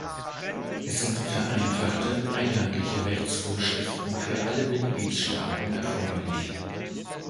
Es sind vereinfachte, einheitliche Rechtsvorschriften für alle Mitgliedstaaten erforderlich.